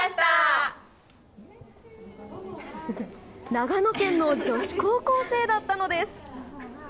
長野県の女子高校生だったのです。